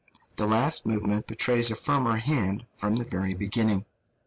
The last movement betrays a firmer hand from the very beginning.